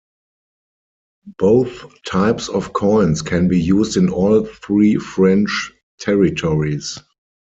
Both types of coins can be used in all three French territories.